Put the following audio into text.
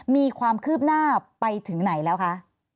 มีความคืบหน้าไปถึงไหนแล้วคะ